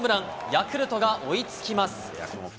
ヤクルトが追いつきます。